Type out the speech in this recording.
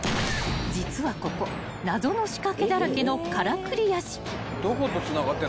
［実はここ謎の仕掛けだらけのからくり屋敷］